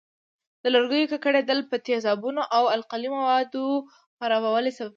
د لرګیو ککړېدل په تیزابونو او القلي موادو خرابوالي سبب کېږي.